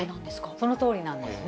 そのとおりなんですね。